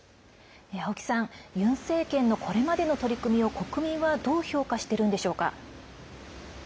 青木さんユン政権のこれまでの取り組みを国民はどう評価してるんでしょうか。